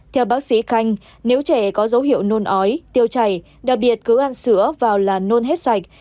theo bác sĩ khanh nếu trẻ có dấu hiệu nôn ói tiêu chảy đặc biệt cứ ăn sữa vào là nôn hết sạch